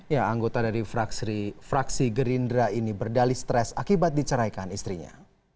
ya anggota dari fraksi gerindra ini berdali stres akibat diceraikan istrinya